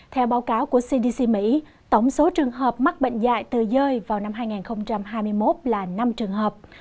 theo báo cáo của cdc mỹ tổng số trường hợp mắc bệnh dạy từ dơi vào năm hai nghìn hai mươi một là năm trường hợp